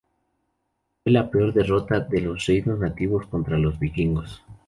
Fue la peor derrota de los reinos nativos contra los vikingos.